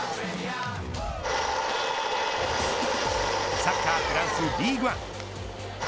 サッカーフランスリーグアン